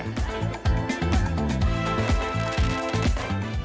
pembangunan desa terang